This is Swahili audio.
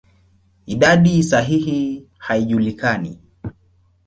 Idadi sahihi haijulikani.